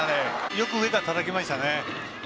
よく上からたたきましたね。